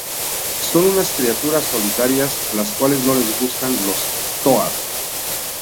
Son unas criaturas solitarias a las cuales no les gustan los Toad.